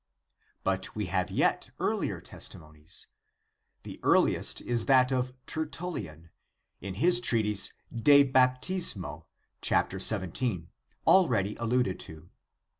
But we have yet earlier testimonies. The earliest is that of Tertullian, in his treatise De Baptismo, c. XVH., already alluded to.